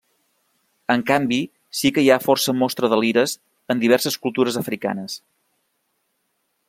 En canvi, sí que hi ha força mostres de lires en diverses cultures africanes.